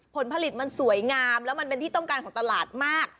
ผลผลิตมันสวยงามแล้วมันเป็นที่ต้องการของตลาดมาก